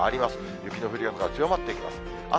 雪の降り方が強まってきます。